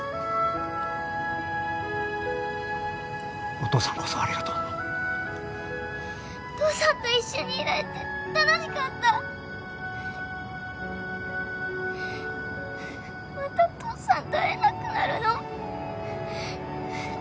お父さんこそありがとうなお父さんと一緒にいられて楽しかったまたお父さんと会えなくなるの？